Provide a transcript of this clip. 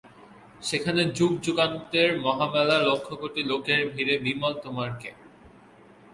সেখানে যুগযুগান্তের মহামেলায় লক্ষকোটি লোকের ভিড়ে বিমল তোমার কে?